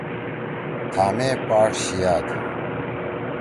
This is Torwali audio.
تھامے پاݜ شیِأد